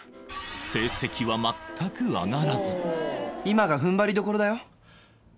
成績は全く上がらず今がふんばりどころだよ